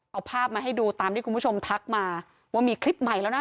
เอาภาพมาให้ดูตามที่คุณผู้ชมทักมาว่ามีคลิปใหม่แล้วนะ